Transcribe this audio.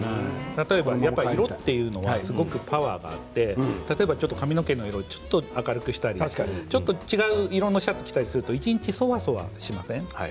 やっぱり色というのはすごくパワーがあって例えば、ちょっと髪の毛の色を明るくしたりちょっと違う色のシャツを着たりすると一日そわそわしません？